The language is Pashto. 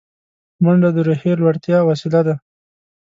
منډه د روحیې لوړتیا وسیله ده